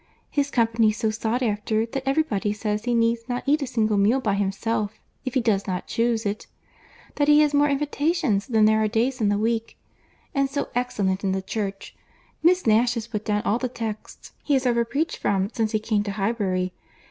His company so sought after, that every body says he need not eat a single meal by himself if he does not chuse it; that he has more invitations than there are days in the week. And so excellent in the Church! Miss Nash has put down all the texts he has ever preached from since he came to Highbury.